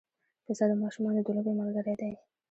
پسه د ماشومانو د لوبې ملګری شي.